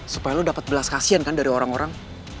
supaya lu dapet belas kasihan kan dari orang orang